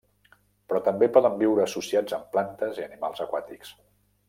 Però també poden viure associats amb plantes i animals aquàtics.